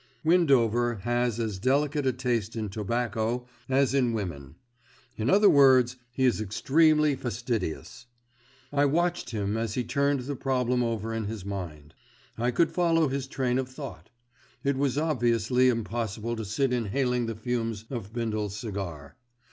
Windover has as delicate a taste in tobacco as in women; in other words he is extremely fastidious. I watched him as he turned the problem over in his mind. I could follow his train of thought. It was obviously impossible to sit inhaling the fumes of Bindle's cigar.